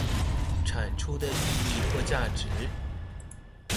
產出的意義或價值